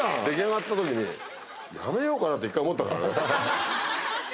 出来上がったときにやめようかなって１回思ったからね。